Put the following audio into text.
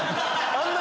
あんな